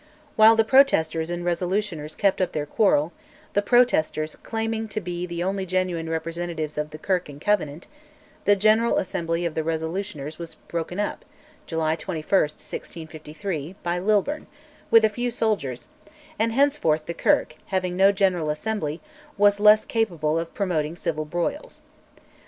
While the Protesters and Resolutioners kept up their quarrel, the Protesters claiming to be the only genuine representatives of Kirk and Covenant, the General Assembly of the Resolutioners was broken up (July 21, 1653) by Lilburne, with a few soldiers, and henceforth the Kirk, having no General Assembly, was less capable of promoting civil broils.